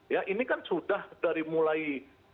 ya ini kan sudah dari mulai